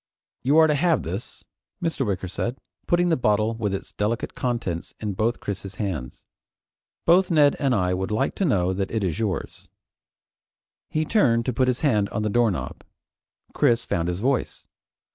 "You are to have this," Mr. Wicker said, putting the bottle with its delicate contents in both Chris's hands. "Both Ned and I would like to know that it is yours." He turned to put his hand on the doorknob. Chris found his voice.